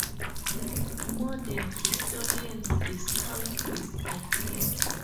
Modern historians discount this idea.